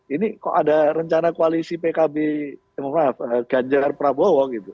ini kok ada rencana koalisi pkb ganjar prabowo gitu